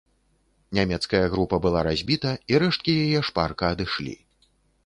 Нямецкая група была разбіта, і рэшткі яе шпарка адышлі.